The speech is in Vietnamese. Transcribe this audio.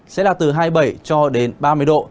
sẽ là từ hai mươi bảy cho đến ba mươi độ